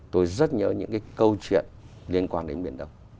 tôi rất nhớ những cái câu chuyện liên quan đến biển đông